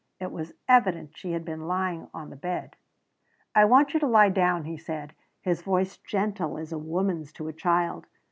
It was evident she had been lying on the bed. "I want you to lie down," he said, his voice gentle as a woman's to a child.